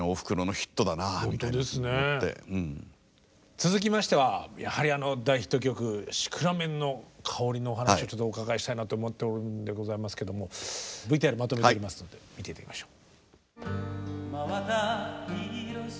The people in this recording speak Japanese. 続きましてはやはりあの大ヒット曲「シクラメンのかほり」のお話をちょっとお伺いしたいなと思っておるんでございますけどもＶＴＲまとめてありますので見て頂きましょう。